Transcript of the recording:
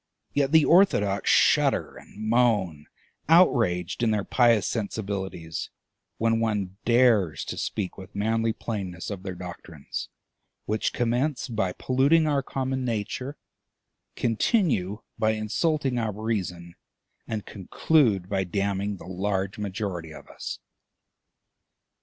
Yet the orthodox shudder and moan, outraged in their pious sensibilities, when one dares to speak with manly plainness of their doctrines, which commence by polluting our common nature, continue by insulting our reason, and conclude by damning the large majority of us!